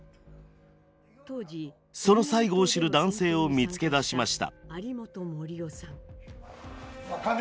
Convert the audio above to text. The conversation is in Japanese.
その最期を知る男性を見つけ出しました。